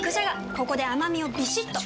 ここで甘みをビシッと！